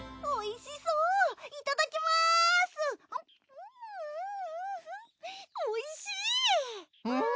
おいしそう！